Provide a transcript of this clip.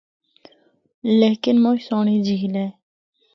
لیکن مُچ سہنڑی جھیل ہے۔